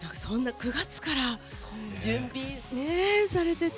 ９月から準備されてて。